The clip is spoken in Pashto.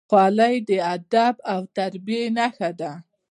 خولۍ د ادب او تربیې نښه ده.